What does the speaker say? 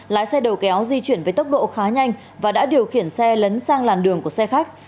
lái xe đầu kéo di chuyển với tốc độ khá nhanh và đã điều khiển xe lấn sang làn đường của xe khách